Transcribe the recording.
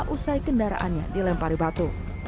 usai kendaraannya dilempari batu